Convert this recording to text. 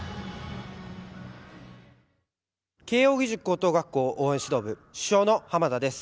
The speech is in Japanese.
慶應義塾高等学校応援指導部主将の濱田です。